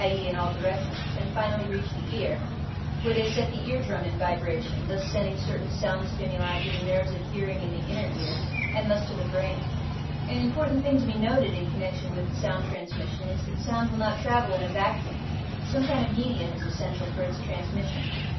e. in all directions) and finally reach the ear, where they set the ear drum in vibration, thus sending certain sound stimuli to the nerves of hearing in the inner ear, and thus to the brain. An important thing to be noted in connection with sound transmission is that sound will not travel in a vacuum: some kind of a medium is essential for its transmission.